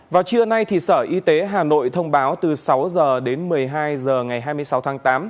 vào trưa nay sở y tế hà nội thông báo từ sáu h đến một mươi hai h ngày hai mươi sáu tháng tám